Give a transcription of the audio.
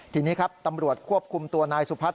ทีนี้ครับตำรวจควบคุมตัวนายสุพัฒน